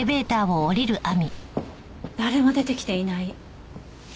誰も出てきていない。